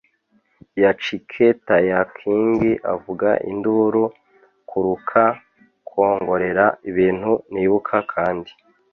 yacketayakking avuza induru kuruka kwongorera ibintu nibuka kandi